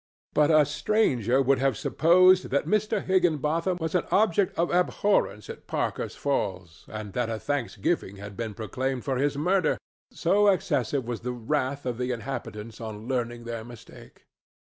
But a stranger would have supposed that Mr. Higginbotham was an object of abhorrence at Parker's Falls and that a thanksgiving had been proclaimed for his murder, so excessive was the wrath of the inhabitants on learning their mistake.